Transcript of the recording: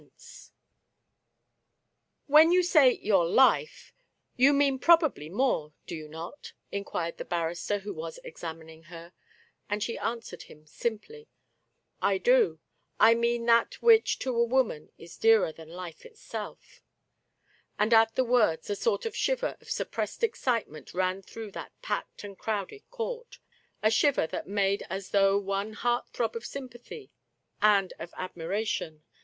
98 Digitized by Google MRS, LOVETT CAMERON, 99 " When you say your life, you mean probably more, do you not ?" inquired the barrister who was examining her ; and she answered him simply, " I do — I mean that which to a woman is dearer than life itself ;" and at the words a sort of shiver of suppressed excitement ran through that packed and crowded court — a shiver that made as though one heart throb of sympathy and of admiration.